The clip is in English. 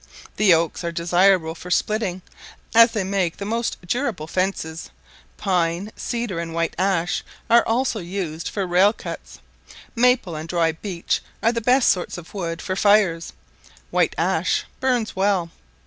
The oaks are desirable for splitting, as they make the most durable fences; pine, cedar, and white ash are also used for rail cuts; maple and dry beech are the best sorts of wood for fires: white ash burns well.